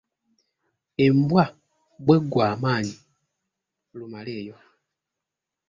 Embwa bwe ggwa amaanyi, Lumaleeyo.